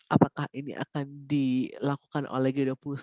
apakah ini akan dilakukan oleh g dua puluh satu